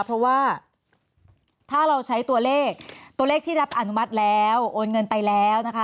เพราะว่าถ้าเราใช้ตัวเลขตัวเลขที่รับอนุมัติแล้วโอนเงินไปแล้วนะคะ